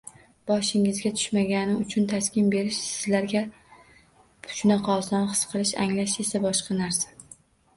-Boshingizga tushmagani uchun taskin berish sizlarga shunaqa oson, his qilish, anglash esa boshqa narsa…